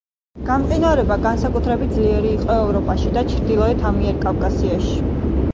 გამყინვარება განსაკუთრებით ძლიერი იყო ევროპაში და ჩრდილოეთ ამიერკავკასიაში.